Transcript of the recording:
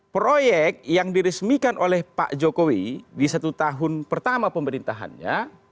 proyek yang diresmikan oleh pak jokowi di satu tahun pertama pemerintahannya